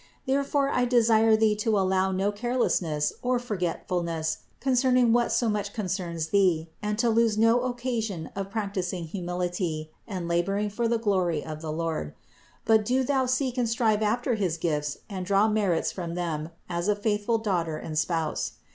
Therefore I desire thee to allow no care lessness or forgetfulness concerning what so much con cerns thee, and to lose no occasion of practicing humility and laboring for the glory of the Lord ; but do thou seek arid strive after his gifts and draw merits from them as a faithful daughter and spouse.